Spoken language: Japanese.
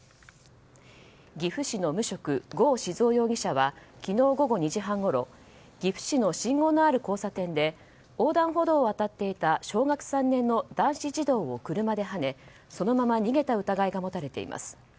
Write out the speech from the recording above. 岐阜市の無職、郷静夫容疑者は昨日午後２時半ごろ岐阜市の信号のある交差点で横断歩道を渡っていた小学３年の男子児童を車ではねそのまま逃げた疑いが持たれています。